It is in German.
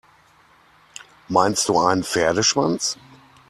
Meinst du einen Pferdeschwanz?